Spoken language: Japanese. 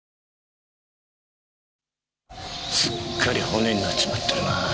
すっかり骨になっちまってるな。